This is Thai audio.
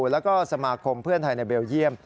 แล้วก็สมาคมเพื่อนไทยในเบลเยี่ยม